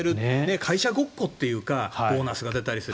会社ごっこというかボーナスが出たりして。